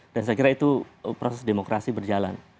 dan saya kira itu proses demokrasi berjalan